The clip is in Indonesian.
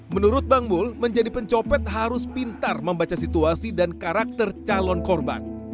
menurut bang mul menjadi pencopet harus pintar membaca situasi dan karakter calon korban